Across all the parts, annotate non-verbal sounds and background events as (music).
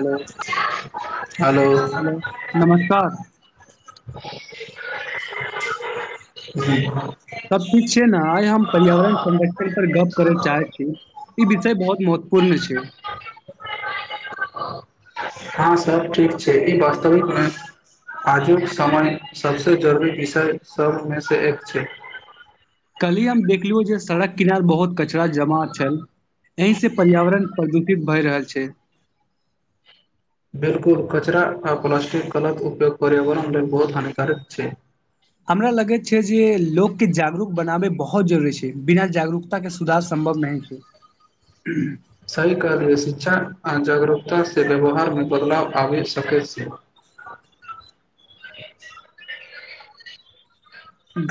Hello hello hello नमस्कार ह सभ ठीक छियै न आइ हम पर्यावरण संरक्षण पर गप करैत चाहैत छी ई विषय बहुत महत्वपूर्ण छै हँ सब ठीक छै ई वास्तविक मे आजुक समय सबसे जरूरी विषय सबमे से एक छै कल्हि हम देखलियो जे सड़क किनार बहुत कचरा। कचरा जमा छल एहि सँ पर्यावरण प्रदूषित भए रहल। छै बिल्कुल, कचरा आ प्लास्टिकक गलत उपयोग पर्यावरण लेल बहुत हानिकारक छै। हमरा लगैत छै जे लोकके जागरूक बनाबै बहुत जरूरी छै। बिना जागरूकता के सुधार संभव सम्भव नहि छै सही कहलियै शिक्षा आ जागरूकता सँ व्यवहारमे बदलाव आबि सकैत छै (unintelligible)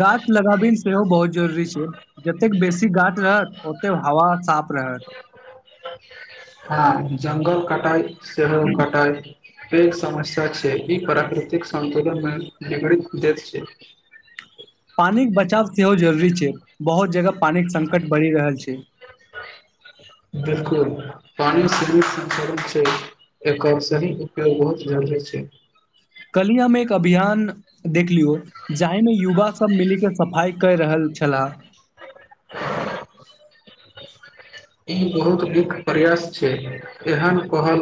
गाछ लगाबै सेहो बहुत जरूरी छै। जतेक बेसी गाछ रहत, ओते हवा साफ रहत। रहत हँ, जंगल कटाइ सेहो कटाइ पैघ समस्या छै, ई प्राकृतिक संतुलन मे बिगाड़ दैत छै। (inaudible) पानिके बचाव सेहो जरूरी छै, बहुत जगह। पानिक संकट बढ़ि रहल छै। पानि संचय छै, एकर सही उपयोग बहुत जरूरी छै। कल्हि हम एक अभियान देखलियौ जाहिमे युवा सभ मिलि कऽ सफाइ कहि रहल छलाह (inaudible) ई बहुत नीक प्रयास छै एहन कहल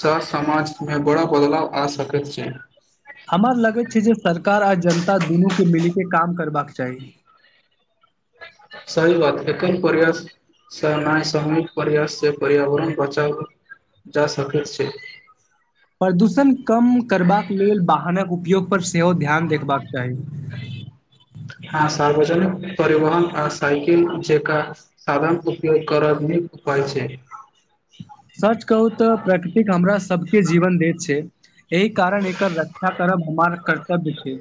सँ समाजमे बड़ा बदलाव आ सकैत छै हमर लगैत छै जे सरकार आ जनता दुनूके मिलि कऽ काज करबाक चाही। सही बात एक कोन परयास सामूहिक प्रयास सँ पर्यावरण बचाव। जा सक छै प्रदूषण कम करबाक लेल वाहनक उपयोग पर सेहो ध्यान देबाक चाही। हँ, सार्वजनिक परिवहन आ साइकिल जका साधनक उपयोग करब। कहइ छै सच कहू तऽ प्रकृति हमरा सभके जीवन दैत छै। एहि कारण एकर रक्षा करब हमार कर्तव्य छै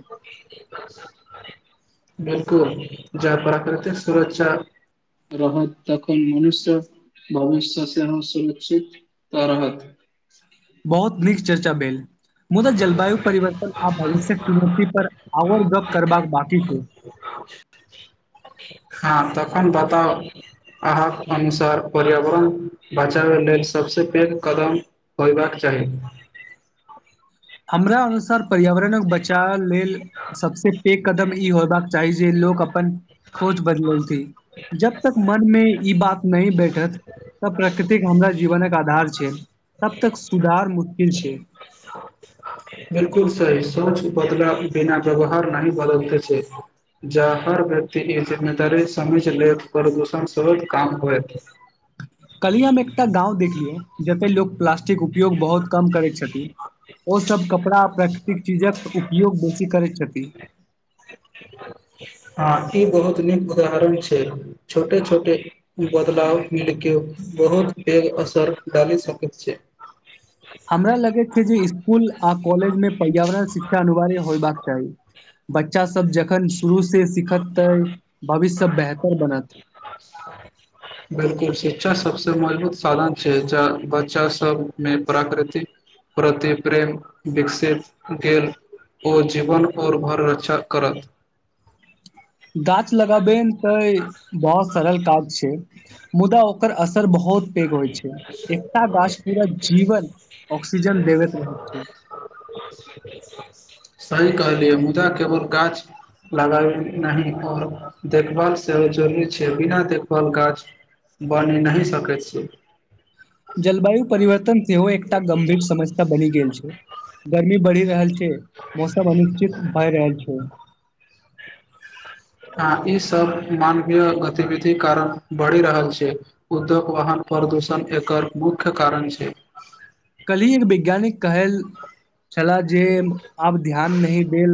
बिल्कुल, जँ प्राकृतिक सुरक्षा रहत तखन मनुष्य भविष्य सेहो सुरक्षित त रहत। बहुत नीक चर्चा भेल मुदा जलवायु परिवर्तन आ भविष्यक चुनौती पर आओर गप्प करबाक बाकी छै। हँ तखन बताउ अहाँक अनुसार पर्यावरण बचाबय लेल सभसँ पैघ कदम होयबाक चाही (unintelligible) हमरा अनुसार पर्यावरणक बचाव लेल सभसँ पैघ कदम ई होयबाक चाही जे लोक अपन बदलय छै, जखन तक मनमे ई बात नहि बैसत। जखन तक प्रकृति हमरा जीवनक आधार छै, तखन तक सुधार मुश्किल छै। बिल्कुल सही, सोच बदले बिना व्यवहार नहि बदलैत छै। जँ हर व्यक्ति ई जिम्मेदारी बुझि लेत, प्रदूषण सहित काम होएत। कहलिय, हम एकटा गाँम देखलियौ जतय लोक प्लास्टिकक उपयोग बहुत कम करैत छथिन। ओ सभ कपड़ा आ प्राकृतिक चीजक उपयोग बेसी करैत छथिन। हँ, ई बहुत नीक उदाहरण छै, छोट-छोट बदलाव मिलि कऽ। बहुत पैघ असर डाली सकैत छै। हमरा लगैत छै जे स्कूल आ कॉलेजमे पर्यावरण शिक्षा अनिवार्य होयबाक चाही। बच्चा सब जखन शुरू सिखत तऽ भविष्य सभ बेहतर बनत। बच्चा सभसँ मजबूत साधन छै, बच्चा सभमे प्राकृतिक प्रति प्रेम विकसित गेल ओ जीवन आओर भर रचा करत गाछ लगाबे त बहुत सरल काज छै मुदा ओकर असर बहुत पैघ एकटा गाछ पूरा जीवन ऑक्सीजन देब रह छै सहि कहलियै मुदा केवल गाछ लगाब न आओर देखभाल सेहो जरूरी छै बिना देखभाल काज बन नहि सकैत छियै जलवायु परिवर्तन सेहो एक गंभीर समस्या बनी गेल छै गर्मी बढ़ि रहल छै मौसम अनिश्चित भय रह छै हाँ ई सब मानवीय गतिविधि कार स हमरा लण बढ़ि रहल छै उद्योग वाहन प्रदूषण एकर मुख्य कारण छै कलहि एक वैज्ञानिक कहल छलाह जे आब ध्यान नहि देल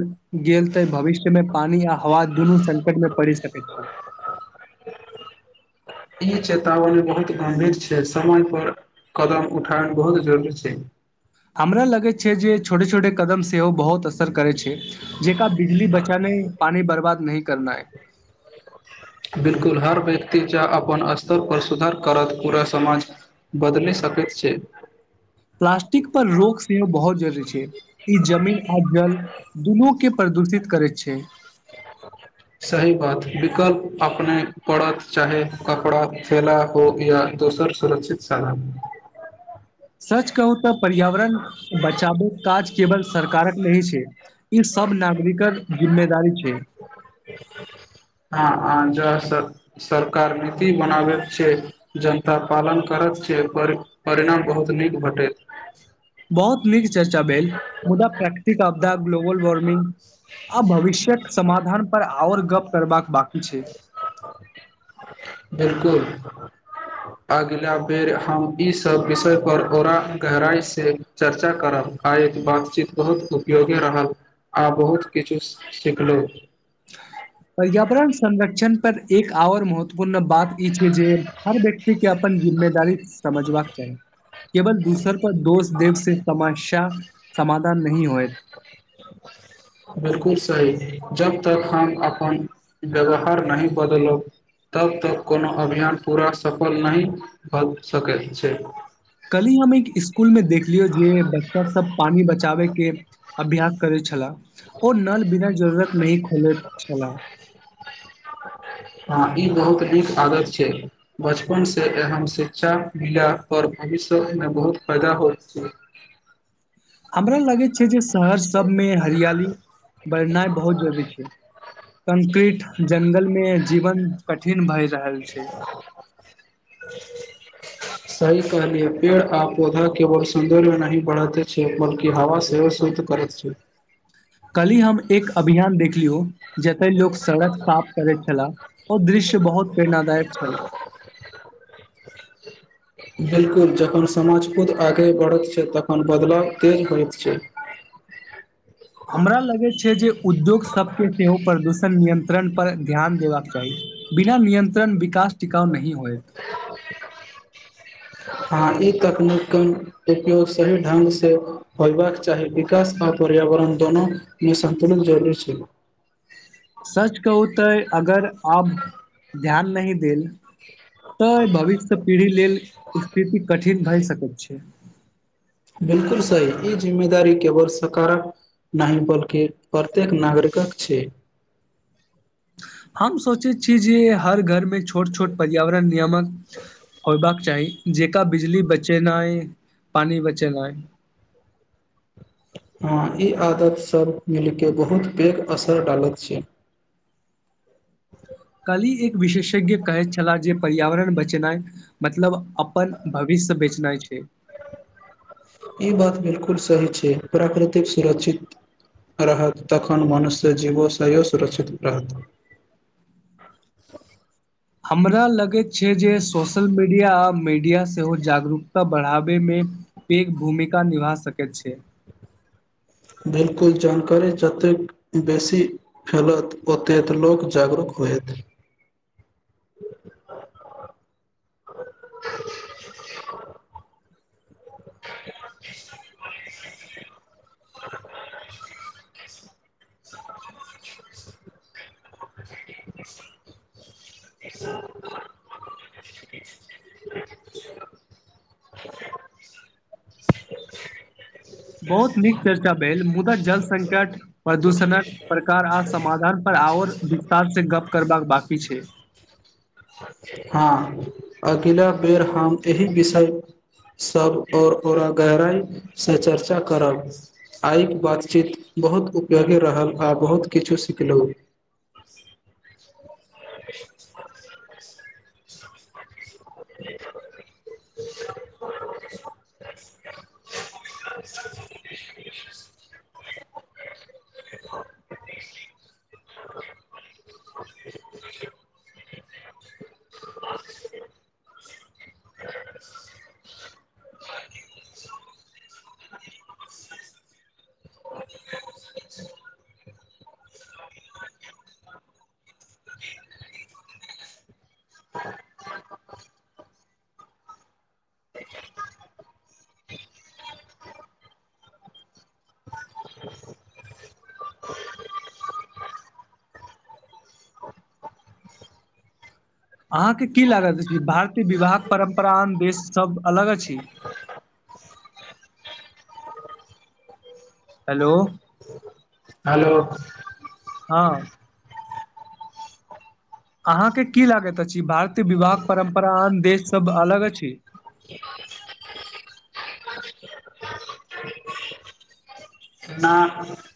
गेल तऽ भविष्य मे पानी आ हवा दुनू संकट मे पड़ि सकैत छै ई चेतावनी बहुत गंभीर छै समाज पर कदम उठानन बहुत जरूरी छै हमरा लगे छै जे छोटे छोटे कदम सेहो बहुत असर करे छै जेका बिजली बचाने पानी बर्बाद नहीं करना है बिलकुल हर व्यक्ति च अपन स्तर पर सुधार करत पूरा समाज बदल सकैत छै प्लास्टिक पर रोक सेहो बहुत जरूरी छै ई जमीन आ जल दुनू के प्रदूषित करैत छै सही बात विकल्प अपने पड़त चाहे कपड़ा थेला हो या दोसर सुरक्षित सालाम सच कहू तऽ पर्यावरण बचाबैक काज केवल सरकारक नहि छै ई सब नागरिकक जिम्मेदारी छै हँ ज सरकार नीति बनाबै छै जनता पालन करत छै परिणाम बहुत नीक भेटैत बहुत नीक चर्चा भेल मुदा प्राकृतिक अपदा ग्लोबल वॉर््मिंग आ भविष्य समाधान पर आओर गप करबाक बक बिलकुल अगिला बेर हम ईसभ विषय पर ओरा गहराइसँ चर्चा करब आयक बातचीत बहुत उपयोगी रहल आ बहुत किछु सिखलु (inaudible) पर्यावरण संरक्षण पर एक आओर महत्वपूर्ण बात ई छै जे हर व्यक्ति अपन जिम्मेदारी समझबाक चाही केवल दूसर पर दोष देव से समस्या समाधान नहि होय (inaudible) बिलकुल सही जब तक हम अपन व्यवहार नहि बदलब तब तक कोनो अभियान पूरा सफल नहि भऽ सकैत छै कल्हि हम एक स्कूल मे देखलियौ जे बच्चा सब पानी बचाबे के अभ्यास करै छलाह ओ नल बिना जरूरत नहि खोलैत छलाह (inaudible) हँ ई बहुत नीक आदत छै बचपन से एहम शिक्षा मिल पर अभी सब मे बहुत पैदा हो छै हमरा लगैत छै जे शहर सबमे हरियाली बढ़नाइ बहुत जरुररी छै कंक्रीट ज्ंगल मे जीवन कठिन भए रहल छै सही कहलियै पेड़ आ पौधा केवल सौंन्दर्य नहि बढ़ेते छै बल्की हवा सेहो सुन्दर करैत छी कल्हि हम एक अभियान देखलियौ जते लोक सड़क साफ करैत छलाह ओ दृश्य बहुत प्रेरणादायक छल (inaudible) बिलकुल जखन समाज खुद आगे बढ़ैत छै तखन बदलाव तेज होइत छै (inaudible) हमरा लगैत छै जे उद्योग सभके सेहो प्रदूषण नियंत्रण पर ध्यान देबाक चाही बिना नियंत्रण विकास टिकाउ नहि होएत हँ ई तकनीक उपयोग सही ढंगसँ होयबाक चाही विकास आ पर्यावरण दोनोमे सन्तुलन जरुरी छै सच कहू तऽ अगर आब ध्यान नहि देल तऽ भविष्य पीढ़ी लेल स्थिति कठिन भए सकैत छै बिलकुल सही ई जिम्मेवारी केवल सरकारक नहि बल्कि प्रत्येक नागरिकक छै हम सोचैत छी जे हर घर मे छोट छोट पर्यावरण नियामक होयबाक चाही जेका बिजली बचेनाइ पानि बचेनाइ (inaudible) हँ ई आदत सभ मिलकेऽ बहुत पैघ असर डालैत छै (inaudible) कल्हि एक विशेषज्ञ कहैत छलाह जे पर्यावरण बचेनाइ मतलब अपन भविष्य सब बेचनाइ छै ई बात बिलकुल सही छै प्राकृतिक सुरक्षित रहत तखन मनुष्य जीवोसँयो सुरक्षित रहत (inaudible) हमरा लगैत छै जे सोशल मीडिया आ मीडिया सेहो जागरूकता बढ़ाबयमे पैघ भूमिका निभा सकैत छै (inaudible) बिलकुल जानकारी जतेक बेसी फैलत ओतेक लोक जागरूक होहत (inaudible) (inaudible) (inaudible) (inaudible) (inaudible) बहुत नीक चर्चा भेल मुदा जल संकट प्रदूषणक प्रकार आ समाधान पर आओर विस्तार से गप करबाक बाकी छै हँ अगिला बेर हम एहि विषय सभ आओर आरा गहराइसँ चर्चा करब आइक बातचीत बहुत उपयोगी रहल आ बहुत किछु सिखलहुँ ब (inaudible) (inaudible) (unintelligible) (inaudible) (inaudible) अहाँके की लागत अछि भारतीय विवाह परम्परा देश सब अलग अछि हेलो हेलो हँ अहाँके की लागैत अछि भारतीय विवाहक परम्परा आन देशसँ अलग अछि (inaudible) न